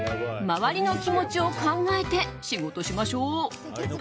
周りの気持ちを考えて仕事しましょう。